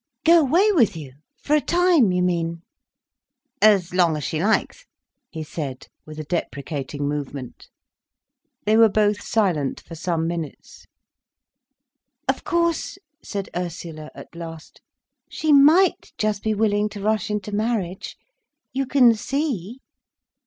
"Go away with you? For a time, you mean?" "As long as she likes," he said, with a deprecating movement. They were both silent for some minutes. "Of course," said Ursula at last, "she might just be willing to rush into marriage. You can see."